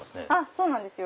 そうなんですよ。